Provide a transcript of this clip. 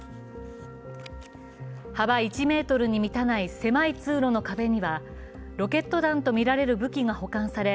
幅１ｍに満たない狭い通路の壁にはロケット弾とみられる武器が保管され